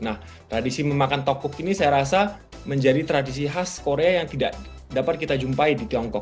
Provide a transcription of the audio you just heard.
nah tradisi memakan tokuk ini saya rasa menjadi tradisi khas korea yang tidak dapat kita jumpai di tiongkok